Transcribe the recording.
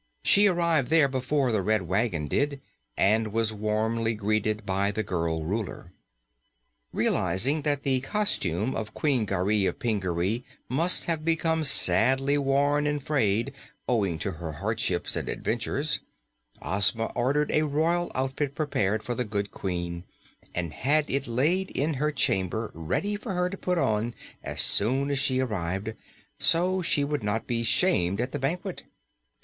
She arrived there before the Red Wagon did and was warmly greeted by the girl Ruler. Realizing that the costume of Queen Garee of Pingaree must have become sadly worn and frayed, owing to her hardships and adventures, Ozma ordered a royal outfit prepared for the good Queen and had it laid in her chamber ready for her to put on as soon as she arrived, so she would not be shamed at the banquet.